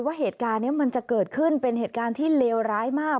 ว่าเหตุการณ์นี้มันจะเกิดขึ้นเป็นเหตุการณ์ที่เลวร้ายมาก